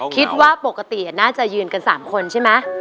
อ้อคิดว่าปกติอ่ะน่าจะยืนกัน๓คนใช่มั้ย